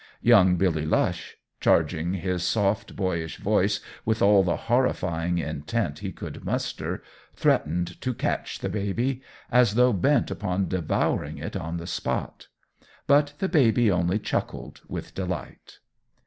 Young Billy Lush, charging his soft, boyish voice with all the horrifying intent he could muster, threatened to "catch" the baby, as though bent upon devouring it on the spot; but the baby only chuckled with delight.